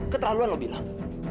keterlaluan lu bilang